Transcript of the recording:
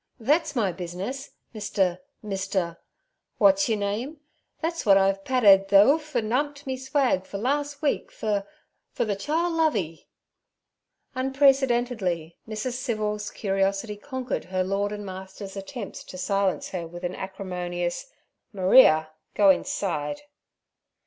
'Thet's my business, Mr.—Mr.—Wat's yur name. Thet's w'at I've padded ther 'oof an' 'umped me swag fer the lars' week fer—fer the chile Lovey.' Unprecedentedly Mrs. Civil's curiosity conquered her lord and master's attempts to silence her with an acrimonious, 'Maria, go inside.'